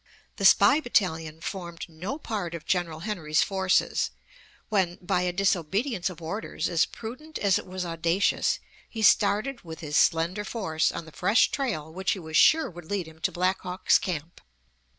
] The Spy Battalion formed no part of General Henry's forces when, by a disobedience of orders as prudent as it was audacious, he started with his slender force on the fresh trail which he was sure would lead him to Black Hawk's camp.